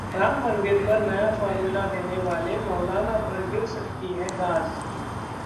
राम मंदिर पर नया फॉर्मूला देने वाले मौलाना पर गिर सकती है गाज